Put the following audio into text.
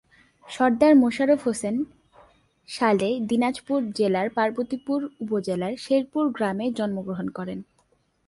সরদার মোশারফ হোসেন সালে দিনাজপুর জেলার পার্বতীপুর উপজেলার শেরপুর গ্রামে জন্মগ্রহণ করেন।